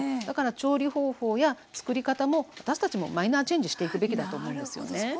だから調理方法や作り方も私たちもマイナーチェンジしていくべきだと思うんですよね。